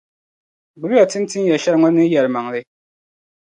Gbibi ya ti ni tin ya shɛli ŋɔ ni yɛlimaŋli.